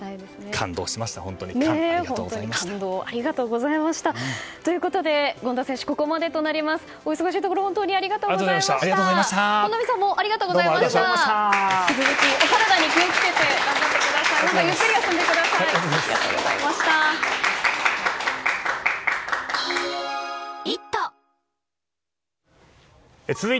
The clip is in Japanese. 引き続きお体に気を付けて頑張ってください。